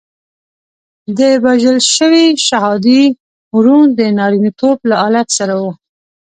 د وژل شوي شهادي ورون د نارینتوب له آلت سره وو.